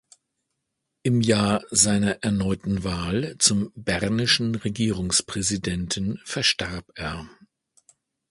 Im Jahr seiner erneuten Wahl zum bernischen Regierungspräsidenten verstarb er.